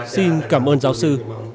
xin cảm ơn giáo sư